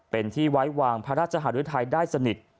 เป็นที่ไว้วางพระราชหารุทัยได้สนิท